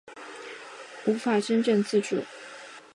无法真正自主